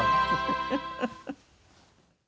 フフフフ！